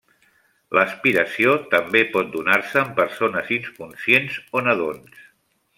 L'aspiració també pot donar-se en persones inconscients o nadons.